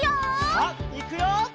さあいくよ！